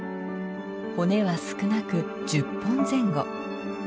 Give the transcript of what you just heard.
骨は少なく１０本前後。